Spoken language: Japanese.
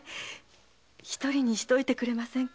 独りにしといてくれませんか。